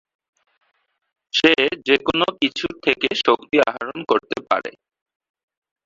সে যেকোনো কিছু থেকে শক্তি আহরণ করতে পারে।